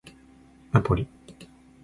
ナポリ